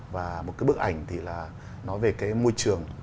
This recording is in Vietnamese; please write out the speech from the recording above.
và một cái bức ảnh thì là nói về cái môi trường